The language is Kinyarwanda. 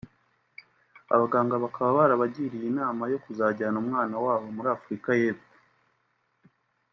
Abaganga bakaba barabagiriye inama yo kuzajyana umwana wabo muri Afurika y’Epfo